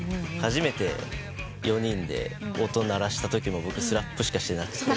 初めて４人で音鳴らしたときも僕スラップしかしてなくて。